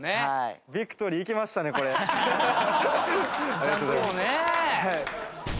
ありがとうございます。